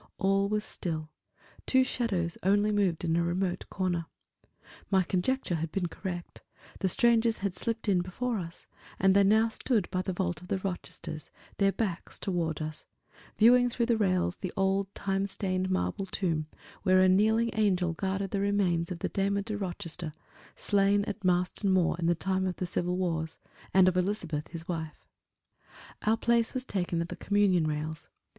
All was still; two shadows only moved in a remote corner. My conjecture had been correct; the strangers had slipped in before us, and they now stood by the vault of the Rochesters, their backs toward us, viewing through the rails the old time stained marble tomb, where a kneeling angel guarded the remains of Damer de Rochester, slain at Marston Moor in the time of the civil wars, and of Elizabeth his wife. Our place was taken at the communion rails.